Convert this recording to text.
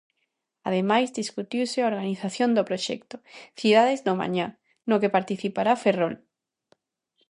Ademais, discutiuse a organización do proxecto "Cidades do mañá" no que participará Ferrol.